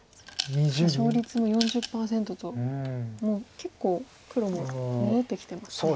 勝率も４０％ともう結構黒も戻ってきてますね。